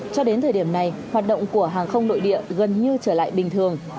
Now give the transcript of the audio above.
cho đến thời điểm này hoạt động của hàng không nội địa gần như trở lại bình thường